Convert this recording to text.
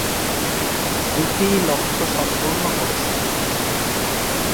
দুটিই লক্ষ্য সম্পূর্ণ করেছে।